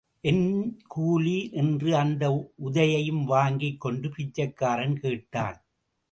என் கூலி? என்று அந்த உதையையும் வாங்கிக் கொண்டு பிச்சைக்காரன் கேட்டான்.